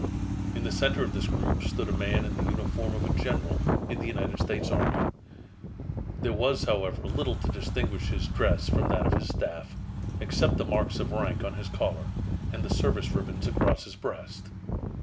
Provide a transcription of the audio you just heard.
In the center of this group stood a man in the uniform of a General in the United States Army. There was, however, little to distinguish his dress from that of his staff, except the marks of rank on his collar, and the service ribbons across his breast.